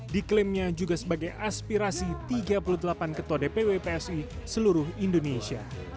diklaimnya juga sebagai aspirasi tiga puluh delapan ketua dpw psi seluruh indonesia